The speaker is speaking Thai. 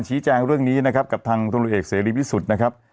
ชี้แจงเรื่องนี้นะครับกับทางธุรกิจเอกเสรีพิสุทธิ์นะครับ